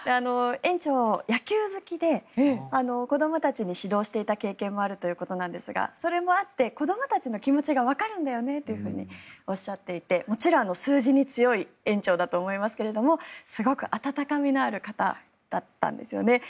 園長、野球好きで子どもたちに指導していた経験もあるということですがそれもあって子どもたちの気持ちがわかるんだよねというふうにおっしゃっていてもちろん数字に強い園長だと思いますがすごく温かみのある方だったんですよね。